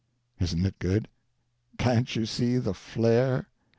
Isn't it good? Can't you see the flare?